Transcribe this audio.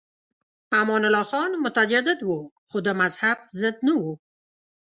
امان الله خان متجدد و خو د مذهب ضد نه و.